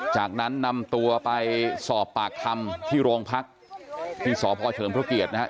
จากนั้นนำตัวไปสอบปากคำที่โรงพักที่สพเฉิมพระเกียรตินะครับ